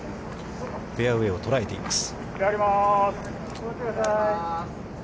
フェアウェイを捉えています。